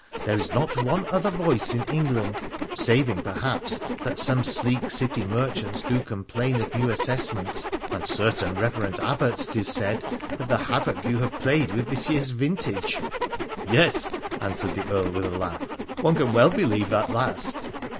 There is not one other voice in Eng land — saving, perhaps, that some sleek city merchants do complain of new assessments, and certain reverent abbots, 'tis said, of the havoc you have played with this year's vintage.' ' Yes,' answered the Earl with a laugh, ' one can well believe that last.